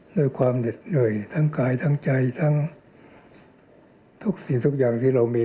ด้วยความเหน็ดเหนื่อยทั้งกายทั้งใจทั้งทุกสิ่งทุกอย่างที่เรามี